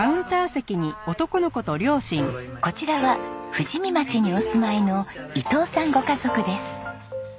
こちらは富士見町にお住まいの伊藤さんご家族です。